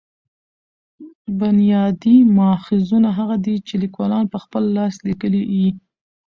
بنیادي ماخذونه هغه دي، چي لیکوال په خپل لاس لیکلي يي.